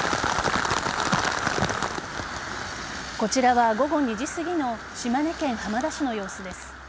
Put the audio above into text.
こちらは午後２時すぎの島根県浜田市の様子です。